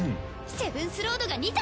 セブンスロードが２体！